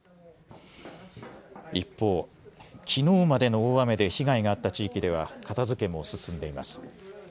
一方、きのうまでの大雨で被害があった地域では片づけも進んでいます。